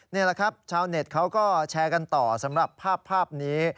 นี่แหละครับชาวเน็ตเขาก็แชร์กันต่อสำหรับภาพนี้